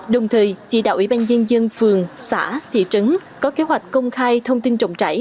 đồng thời chỉ đạo ủy ban nhân dân phường xã thị trấn có kế hoạch công khai thông tin trọng trải